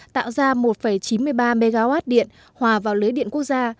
tạo ra một chín mươi ba mw điện hòa vào lưới điện quốc gia